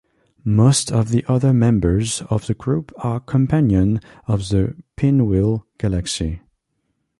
Most of the other members of the group are companions of the Pinwheel Galaxy.